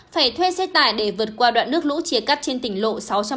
phải thuê xe tải để vượt qua đoạn nước lũ chia cắt trên tỉnh lộ sáu trăm bảy mươi